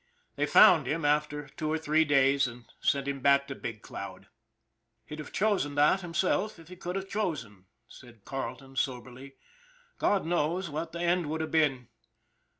They found him after two or three days, and sent him back to Big Cloud. " He'd have chosen that himself if he could have chosen," said Carleton soberly. " God knows what the end would have been.